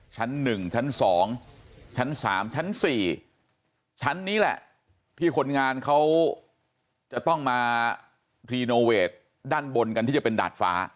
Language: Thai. ชั้น๑ชั้น๒ชั้น๓ชั้น๔ชั้นนี้แหละที่คนงานเขาจะต้องมารีโนเวทด้านบนกันที่จะเป็นดาดฟ้า